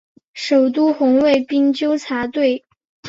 首都红卫兵纠察队。